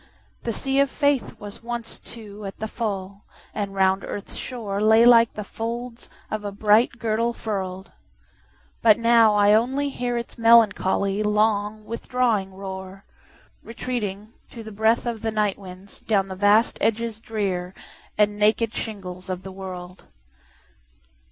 The sea of faithWas once, too, at the full, and round earth's shoreLay like the folds of a bright girdle furl'd. But now I only hearIts melancholy, long, withdrawing roar, Retreating, to the breathOf the night winds, down the vast edges drearAnd naked shingles of the world.